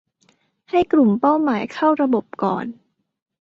ให้กลุ่มเป้าหมายเข้าระบบก่อน